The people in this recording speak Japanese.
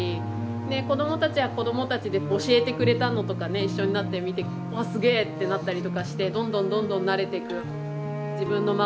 で子どもたちは子どもたちで教えてくれたのとかね一緒になって見て「わあすげえ」ってなったりとかしてどんどんどんどん慣れていく。